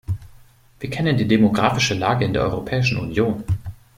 Wir kennen die demografische Lage in der Europäischen Union.